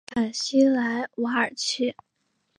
坎西莱瓦尔齐。